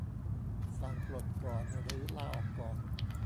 สั่งปลดก่อนหรือลาออกก่อน